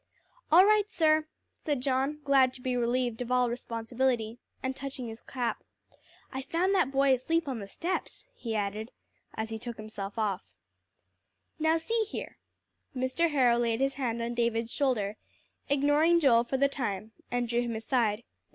"All right, sir," said John, glad to be relieved of all responsibility, and touching his cap. "I found that boy asleep on the steps," he added as he took himself off. "Now, see here." Mr. Harrow laid his hand on David's shoulder, ignoring Joel for the time, and drew him aside.